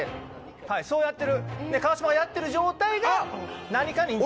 そうやってる川島がやってる状態が何かに似てる。